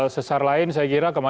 sesar lain saya kira